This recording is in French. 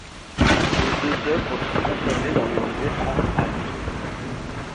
Les deux œuvres sont conservées dans le Musée Frans Hals.